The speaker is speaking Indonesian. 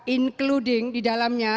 including di dalamnya